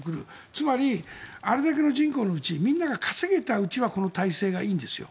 つまりあれだけの人口のうち皆が稼げたうちはこの体制がいいんですよ。